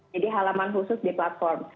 jadi halaman khusus di platform